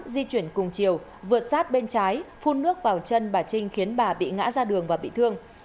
di chuyển cùng chiều vượt sát bên trái phun nước vào chân bà trinh khiến bà bị ngã ra đường và bị thương